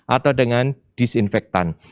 atau dengan disinfektan